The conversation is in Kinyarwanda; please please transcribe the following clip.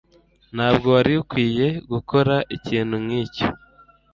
Ntabwo wari ukwiye gukora ikintu nkicyo.